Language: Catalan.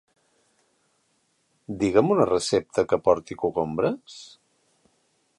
Digue'm una recepta que porti cogombres?